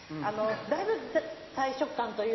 だいぶ大食漢というか。